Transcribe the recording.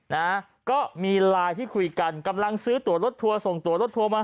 นะฮะก็มีไลน์ที่คุยกันกำลังซื้อตัวรถทัวร์ส่งตัวรถทัวร์มา